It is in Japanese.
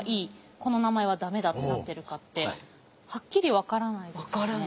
この名前は駄目だってなってるかってはっきり分からないですよね。